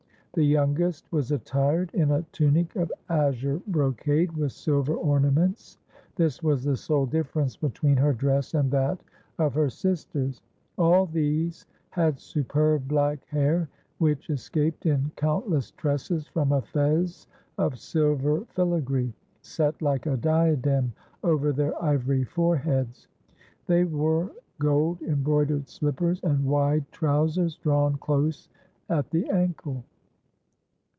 The youngest was attired in a tunic of azure brocade, with silver ornaments; this was the sole difference between her dress and that of her sisters. All these had superb black hair, which escaped in countless tresses from a fez of silver filagree, set like a diadem over their ivory foreheads; they wore gold embroidered slippers and wide trousers drawn close at the ankle.